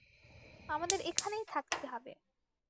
আমাদের এখানেই থাকতে হবে।